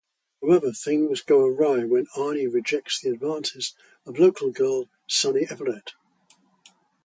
However, things go awry when Arnie rejects the advances of local girl Sunny Everett.